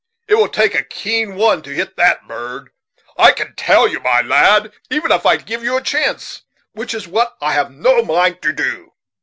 It will take a keen one to hit that bird, I can tell you, my lad, even if I give you a chance, which is what I have no mind to do."